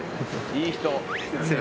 いい人！